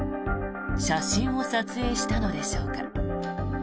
写真を撮影したのでしょうか。